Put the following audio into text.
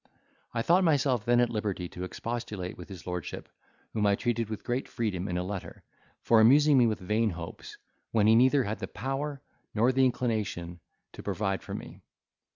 I thought myself then at liberty to expostulate with his lordship, whom I treated with great freedom in a letter, for amusing me with vain hopes, when he neither had the power nor inclination to provide for me.